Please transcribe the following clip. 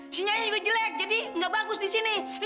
sininya juga jelek jadi gak bagus di sini